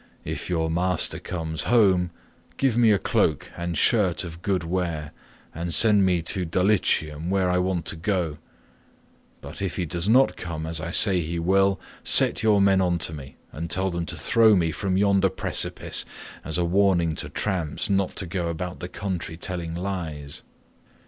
If your master comes home, give me a cloak and shirt of good wear, and send me to Dulichium where I want to go; but if he does not come as I say he will, set your men on to me, and tell them to throw me from yonder precipice, as a warning to tramps not to go about the country telling lies."